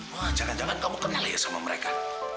wah jangan jangan kamu kenal aja sama mereka